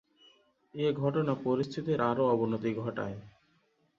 এ ঘটনা পরিস্থিতির আরও অবনতি ঘটায়।